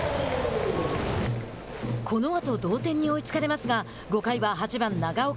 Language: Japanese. このあと同点に追いつかれますが５回は８番長岡。